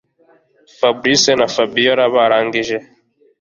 Fabric na Fabiora barangije